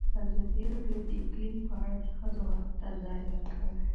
ازادي راډیو د اقلیم په اړه د ښځو غږ ته ځای ورکړی.